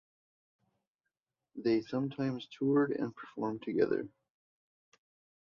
They sometimes toured and performed together.